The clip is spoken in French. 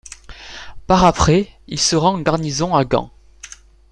Par après, il sera en garnison à Gand.